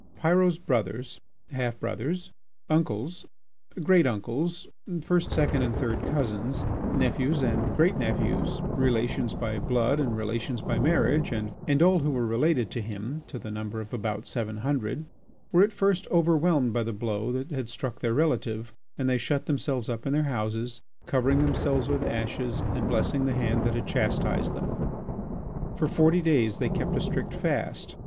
Pyrot's brothers, half brothers, uncles, great uncles, first, second, and third cousins, nephews and great nephews, relations by blood and relations by marriage, and all who were related to him to the number of about seven hundred, were at first overwhelmed by the blow that had struck their relative, and they shut themselves up in their houses, covering themselves with ashes and blessing the hand that had chastised them. For forty days they kept a strict fast.